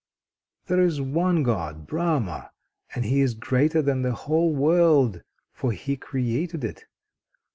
There is one God Brahma, and he is greater than the whole world, for he created it.